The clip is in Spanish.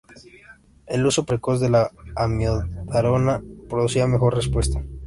El uso precoz de la amiodarona producía mejor respuesta.